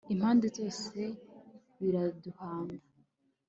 impande zose biraduhanda